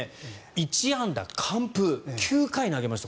１安打完封９回投げました。